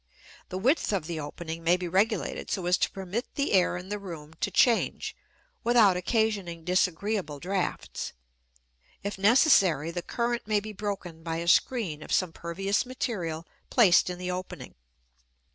The width of the opening may be regulated so as to permit the air in the room to change without occasioning disagreeable drafts; if necessary the current may be broken by a screen of some pervious material placed in the opening.